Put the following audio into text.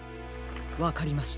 わかりました。